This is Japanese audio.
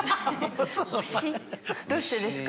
どうしてですか？